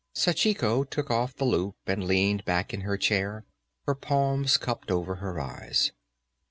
Sachiko took off the loup and leaned back in her chair, her palms cupped over her eyes.